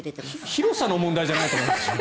広さの問題じゃないと思います。